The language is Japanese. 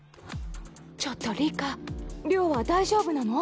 ちょっと里佳亮は大丈夫なの？